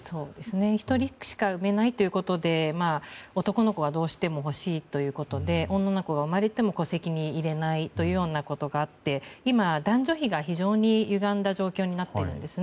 １人しか産めないということで男の子はどうしても欲しいということで女の子が生まれても戸籍に入れないということがあって男女比が非常にゆがんだ状況になっているんですね。